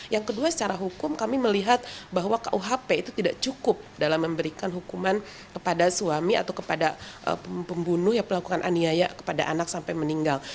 yang kedua secara hukum kami melihat bahwa kuhp itu tidak cukup dalam memberikan hukuman kepada suami atau kepada pembunuh yang melakukan aniaya kepada anak sampai meninggal